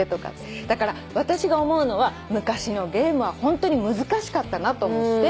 だから私が思うのは昔のゲームはホントに難しかったなと思って。